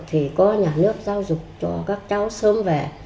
thì có nhà nước giáo dục cho các cháu sớm về